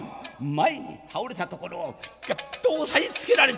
前に倒れたところをギュッと押さえつけられた。